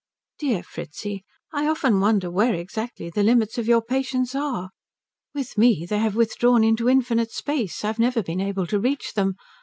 "Dear Fritzi, I often wonder where exactly the limits of your patience are. With me they have withdrawn into infinite space I've never been able to reach them.